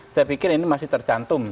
saya pikir ini masih tercantum